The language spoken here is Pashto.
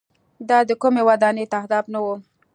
دا د کومۍ ودانۍ تهداب نه و.